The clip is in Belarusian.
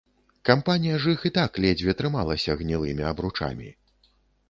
Кампанія ж іх і так ледзьве трымалася гнілымі абручамі.